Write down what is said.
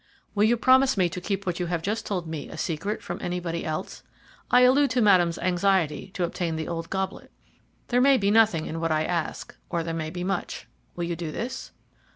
"Will you promise me to keep what you have just told me a secret from anybody else? I allude to Madame's anxiety to obtain the old goblet. There may be nothing in what I ask, or there may be much. Will you do this?"